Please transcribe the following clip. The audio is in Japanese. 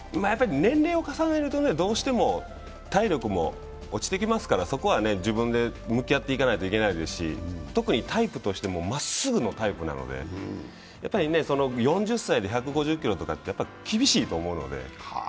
年齢を重ねると、どうしても体力も落ちてきますからそこは自分で向き合っていかないといけないですし特にタイプとしてまっすぐのタイプなので４０歳で１５０キロとかって厳しいと思うので。